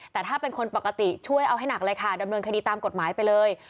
แต่ถ้าเป็นคนปกติช่วยเอาให้หนักเลยค่ะดำเนินคดีตามกฎหมายไปเลย